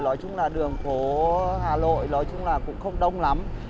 nói chung là đường phố hà nội cũng không đông lắm